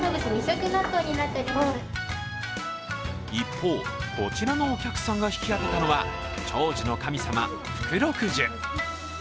一方、こちらのお客さんが引き当てたのは長寿の神様、福禄寿。